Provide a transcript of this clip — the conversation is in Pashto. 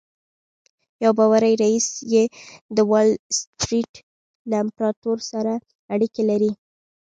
یو باوري ريیس یې د وال سټریټ له امپراتور سره اړیکې لري